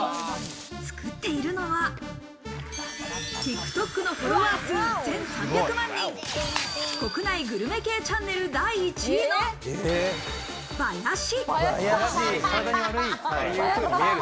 作っているのは、ＴｉｋＴｏｋのフォロワー数１３００万人、国内グルメ系チャンネル第１位のバヤシ。